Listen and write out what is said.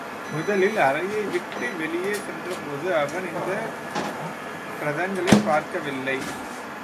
முதலில் அறையை விட்டு வெளியே சென்றபோது அவன் இந்தப் பிரதங்களைப் பார்க்கவில்லை.